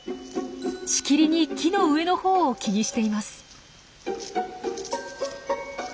しきりに木の上のほうを気にしています。